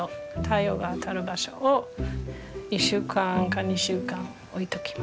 太陽が当たる場所に１週間か２週間置いときます。